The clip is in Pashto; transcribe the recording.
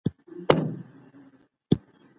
د کډوالو په وړاندي باید نرم چلند وسي.